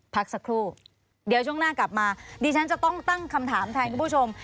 พักสักครู่เดี๋ยวช่วงหน้ากลับมาดิฉันจะต้องตั้งคำถามแทนคุณผู้ชม